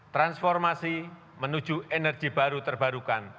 transformasi menuju energi baru terbarukan